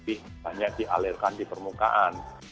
jadi air yang lebih banyak di alirkan di permukaan